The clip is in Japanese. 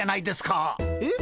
えっ？